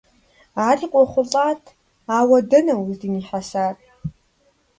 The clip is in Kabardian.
Ари къохъулӀат, ауэ дэнэ уздынихьэсар?